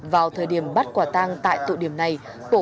vào thời điểm bắt quả tang tại tụ điểm này